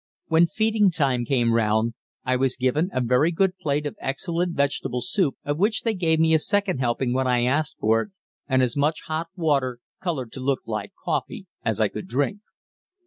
When feeding time came round, I was given a very good plate of excellent vegetable soup, of which they gave me a second helping when I asked for it, and as much hot water, colored to look like coffee, as I could drink.